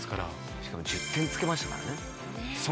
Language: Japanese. しかも、１０点つけましたからね。